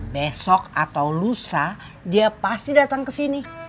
besok atau lusa dia pasti datang ke sini